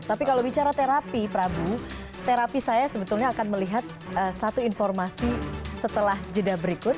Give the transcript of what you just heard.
tapi kalau bicara terapi prabu terapi saya sebetulnya akan melihat satu informasi setelah jeda berikut